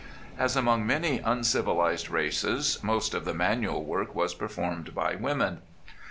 As among many uncivilized races most of the manual work was performed by women.